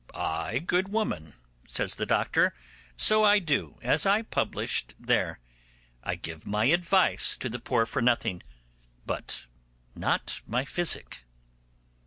'Ay, good woman,' says the doctor, 'so I do, as I published there. I give my advice to the poor for nothing, but not my physic.